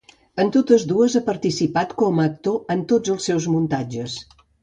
En totes dues ha participat com a actor en tots els seus muntatges.